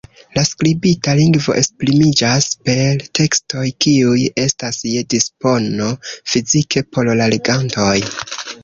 La skribita lingvo esprimiĝas per tekstoj kiuj estas je dispono fizike por la legantoj.